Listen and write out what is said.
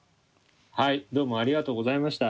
はいどうもありがとうございました。